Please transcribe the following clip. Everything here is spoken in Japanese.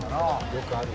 よくある。